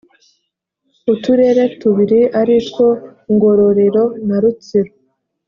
uturere tubiri ari two ngororero na rutsiro